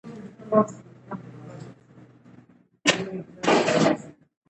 نصیحت په نرمه ژبه وکړئ.